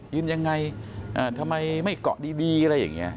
ยืนยังไงทำไมไม่เกาะดีอะไรอย่างนี้